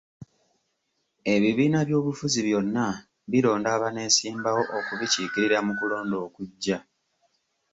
Ebibiina by'obufuzi byonna bironda abaneesimbawo okubikiikirira mu kulonda okujja.